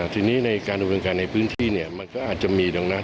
ที่นี้ในการอุดงานในพื้นที่มันก็อาจจะมีดังนั้น